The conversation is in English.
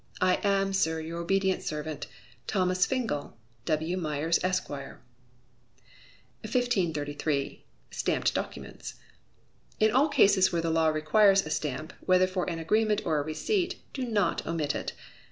I am, sir, your obedient servant, THOMAS FINGLE. W. Myers, Esq." 1533. Stamped Documents. In all cases where the law requires a stamp, whether for an agreement or a receipt, do not omit it.